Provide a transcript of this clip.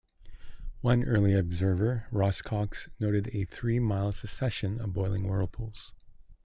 One early observer, Ross Cox, noted a three-mile succession of boiling whirlpools.